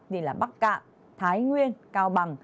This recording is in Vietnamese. thì là bắc cạn thái nguyên cao bằng